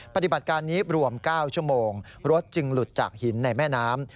ปฏิบัติการนี้รวม๙ชั่วโมงรถจึงหลุดจากหินในแม่น้ำ